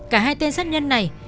cả hai tên sát nhân này